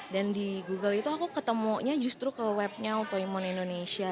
dan di google itu aku ketemunya justru ke webnya autoimun indonesia